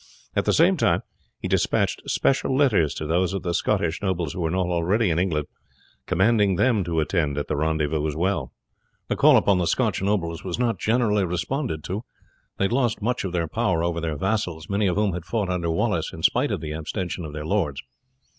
At the same time he despatched special letters to those of the Scottish nobles who were not already in England, commanding them to attend at the rendezvous. The call upon the Scotch nobles was not generally responded to. They had lost much of their power over their vassals, many of whom had fought under Wallace in spite of the abstention of their lords.